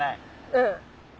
うん。